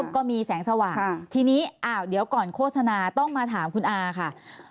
ก็มีแสงสว่างทีนี้อ้าวเดี๋ยวก่อนโฆษณาต้องมาถามคุณอาค่ะ